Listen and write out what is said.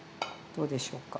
どうでしょうか。